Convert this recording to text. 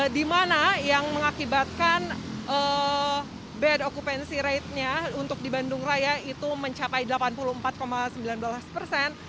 di mana yang mengakibatkan bad occupancy ratenya untuk di bandung raya itu mencapai delapan puluh empat sembilan belas persen